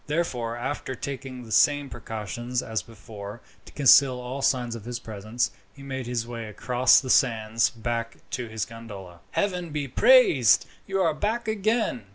Therefore, after taking the same precautions as before, to conceal all signs of his presence, he made his way across the sands back to his gondola. "Heaven be praised, you are back again!"